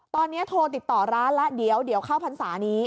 ตอนนี้โทรติดต่อร้านแล้วเดี๋ยวเข้าพรรษานี้